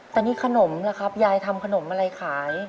แต่นี่ขนมล่ะครับยายทำขนมอะไรขาย